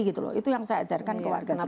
itu yang saya ajarkan ke warga surabaya